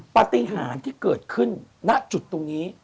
ปฏิหารที่เกิดขึ้นณจุดตรงนี้